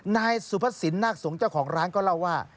นายซุภศินร์นักศูนย์เจ้าของร้านก็เล่าว่า